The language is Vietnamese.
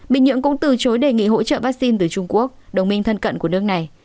bình nhưỡng cũng từ chối đề nghị hỗ trợ vaccine từ trung quốc đồng minh thân cận của nước này